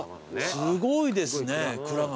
すごいですね蔵が。